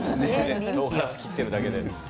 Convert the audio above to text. とうがらし切ってるだけでも。